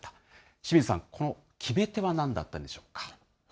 清水さん、この決め手はなんだったんでしょうか。